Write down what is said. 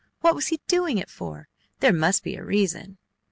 What was he doing it for? There must be a reason.